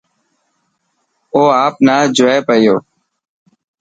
او آپ نا جوئي پيو.